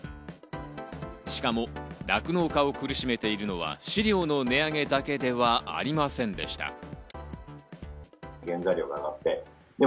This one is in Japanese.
しかも酪農家を苦しめているのは飼料の値上げだけではありませんでした。